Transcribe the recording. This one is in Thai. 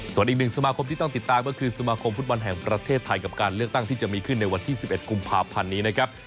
ส่วนอีกหนึ่งสมาคมที่ต้องติดตามก็คือสมาคมฟุตบอลแห่งประเทศไทยกับการเลือกตั้งที่จะมีขึ้นในวันที่๑๑กุมภาพันธ์นี้นะครับ